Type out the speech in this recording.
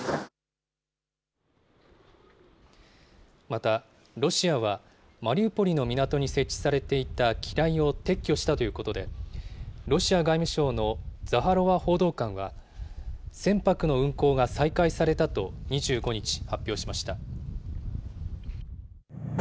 また、ロシアはマリウポリの港に設置されていた機雷を撤去したということで、ロシア外務省のザハロワ報道官は、船舶の運航が再開されたと２５日、発表しました。